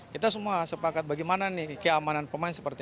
kita semua sepakat bagaimana nih keamanan pemain